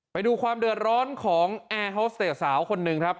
ไปดูความเดือดร้อนของแอร์ฮอสเตจสาวคนหนึ่งครับ